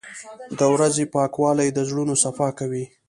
• د ورځې پاکوالی د زړونو صفا کوي.